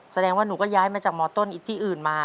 แสดงว่าหนูก็ย้ายมาจากมต้นที่อื่นมา